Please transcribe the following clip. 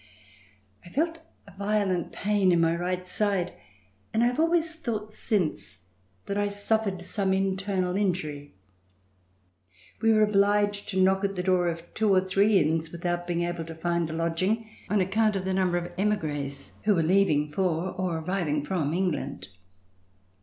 I felt a violent pain in my right side and I have always thought since that I suffered some internal injury. We were obliged to knock at the door of two or three inns without being able to find a lodging, on account of the number of emigres who were leaving for or arriving from England.